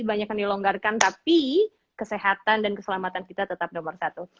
banyak yang dilonggarkan tapi kesehatan dan keselamatan kita tetap nomor satu